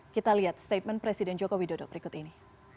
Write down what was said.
kita lihat statement presiden joko widodo berikut ini